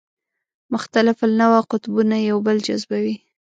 مختلف النوع قطبونه یو بل جذبوي.